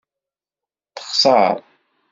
Texṣer.